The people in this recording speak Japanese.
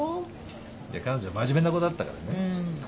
で彼女真面目な子だったからね